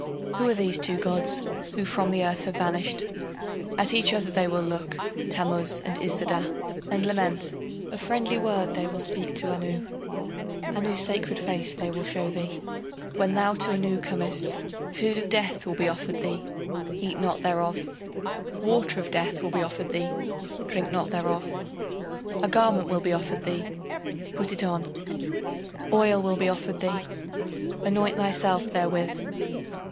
Who are these two gods who from the earth have vanished? At each other they will look, Tammuz and Iszida, and lament. A friendly word they will speak to Anu Anu's sacred face they will show thee. When thou to Anu comest, Food of death will be offered thee, eat not thereof. Water of death will be offered thee, drink not thereof. A garment will be offered thee, put it on. Oil will be offered thee, anoint thyself therewith.